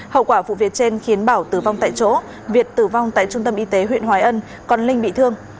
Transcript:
hậu quả vụ việc trên khiến bảo tử vong tại chỗ việt tử vong tại trung tâm y tế huyện hoài ân còn linh bị thương